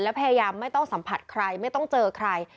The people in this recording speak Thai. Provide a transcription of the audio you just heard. และพยายามไม่ต้องสัมผัสใครไม่ต้องเจอใคร